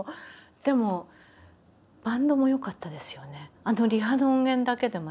でもバンドも良かったですよね。